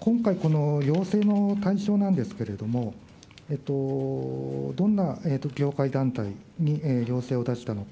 今回、この要請の対象なんですけれども、どんな業界団体に要請を出したのか。